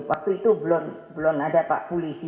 waktu itu belum ada pak polisi